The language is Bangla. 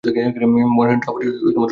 মহেন্দ্র আবার দ্রুত ঘর হইতে বাহির হইল।